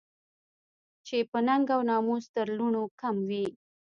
چې په ننګ او په ناموس تر لوڼو کم وي